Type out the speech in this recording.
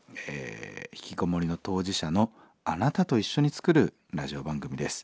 ひきこもりの当事者のあなたと一緒に作るラジオ番組です。